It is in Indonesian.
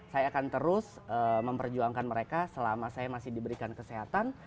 saya akan terus memperjuangkan mereka selama saya masih diberikan kesehatan